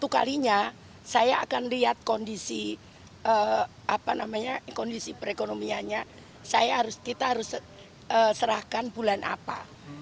berdasarkan kondisi perekonomiannya kita harus serahkan bulan apa